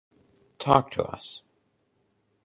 Talk to us.